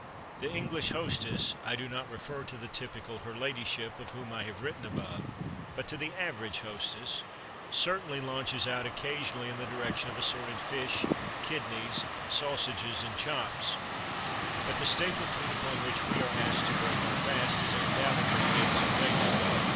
The English hostess I do not refer to the typical "her ladyship," of whom I have written above, but to the average hostess certainly launches out occasionally in the direction of assorted fish, kidneys, sausages, and chops, but the staple food upon which we are asked to break our fast is, undoubtedly, eggs and bacon.